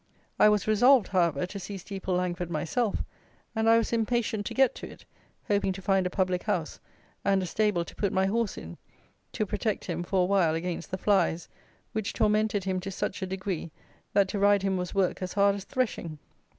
I was resolved, however, to see Steeple Langford myself, and I was impatient to get to it, hoping to find a public house, and a stable to put my horse in, to protect him, for a while, against the flies, which tormented him to such a degree, that to ride him was work as hard as threshing.